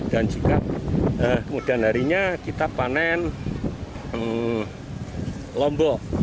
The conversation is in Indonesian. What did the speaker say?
dan juga kemudian harinya kita panen lombok